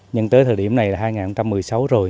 nhưng tới thời điểm này là hai nghìn một mươi sáu rồi